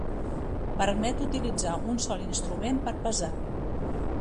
Permet utilitzar un sol instrument per pesar.